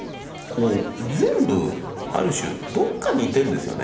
全部ある種どっか似てんですよね。